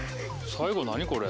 最後何これ？